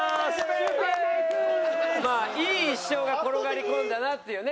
まあいい１勝が転がり込んだなっていうね。